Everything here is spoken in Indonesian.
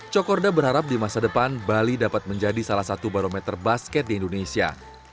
cokorda berharap di masa depan bali dapat menjadi salah satu barometer basket di indonesia